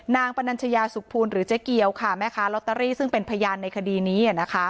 ปนัญชยาสุขภูลหรือเจ๊เกียวค่ะแม่ค้าลอตเตอรี่ซึ่งเป็นพยานในคดีนี้